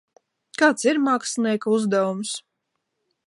Kāds ir mākslinieka uzdevums?